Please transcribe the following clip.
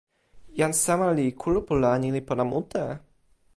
jan sama li kulupu la ni li pona mute.